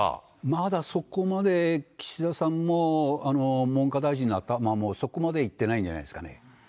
まだそこまで岸田さんも、文科大臣なんかもそこまでいってないんじゃないですかね。